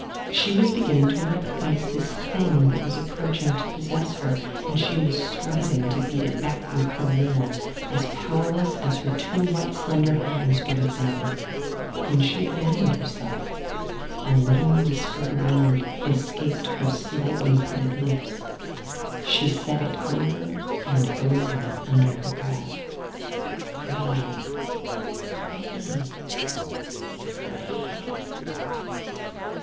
She was beginning to recognize this thing that was approaching to possess her, and she was striving to beat it back with her will — as powerless as her two white slender hands would have been. When she abandoned herself a little whispered word escaped her slightly parted lips. She said it over and over under her breath: "free, free, free!"